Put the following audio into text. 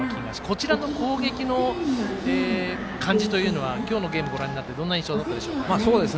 こちらの攻撃の感じというのは今日のゲームご覧になってどんな印象だったでしょうか？